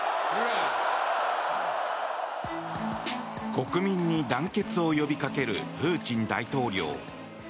国民に団結を呼びかけるプーチン大統領。